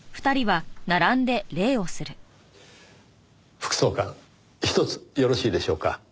副総監ひとつよろしいでしょうか？